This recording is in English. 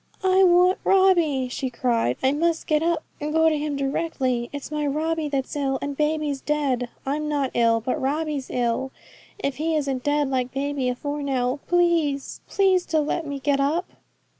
'I want Robbie,' she cried. 'I must get up and go to him directly. It's my Robbie that's ill, and baby's dead. I'm not ill, but Robbie's ill, if he isn't dead, like baby, afore now. Please to let me get up.'